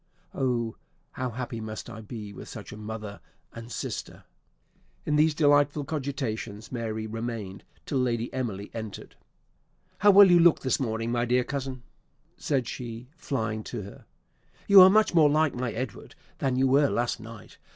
Oh, how happy must I be with such a mother and sister!" In these delightful cogitations Mary remained till Lady Emily entered. "How well you look this morning, my dear cousin," said she, flying to her; "you are much more like my Edward than you were last night.